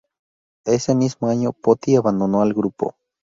Ese mismo año, Poti abandonó el grupo.